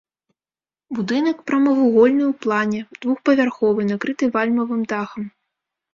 Будынак прамавугольны ў плане, двухпавярховы, накрыты вальмавым дахам.